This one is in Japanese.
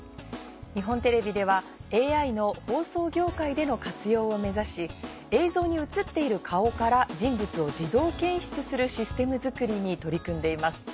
日本テレビではＡＩの放送業界での活用を目指し映像に映っている顔から人物を自動検出するシステム作りに取り組んでいます。